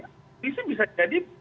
polisi bisa jadi